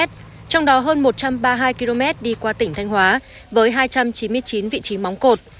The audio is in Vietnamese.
trong đó hơn một trăm ba mươi hai km đi qua tỉnh thanh hóa với hai trăm chín mươi chín vị trí móng cột